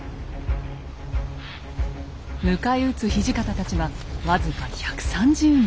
迎え撃つ土方たちは僅か１３０人。